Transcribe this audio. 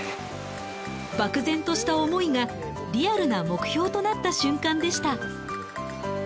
漠然とした思いがリアルな目標となった瞬間でした。